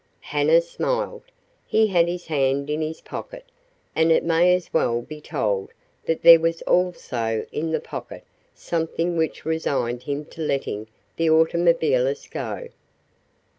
Hanna smiled. He had his hand in his pocket, and it may as well be told that there was also in the pocket something which resigned him to letting the automobilists go.